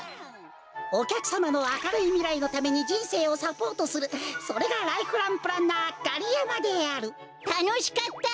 おきゃくさまのあかるいみらいのためにじんせいをサポートするそれがライフランプランナーガリヤマであるたのしかった！